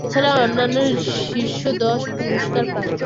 এছাড়া অনন্যা শীর্ষ দশ পুরস্কার পান।